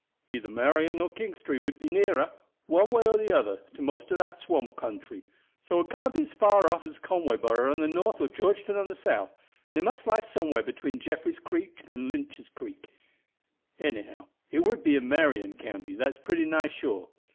"Either Marion or Kingstree would be nearer, one way or the other, to most of the swamp country. So it can't be as far as Conwayborough on the north or Georgetown on the south, and it must lie somewhere between Jeffries' Creek and Lynch's Creek; anyhow it would be in Marion County that's pretty nigh sure.